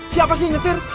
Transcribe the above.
siapa sih yang nyetir